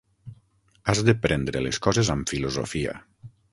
Has de prendre les coses amb filosofia.